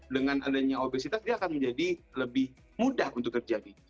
dengan adanya obesitas dia akan menjadi lebih mudah untuk terjadi